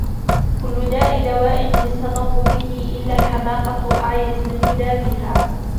كل داء دواء يستطب به إلا الحماقة أعيت من يداويها.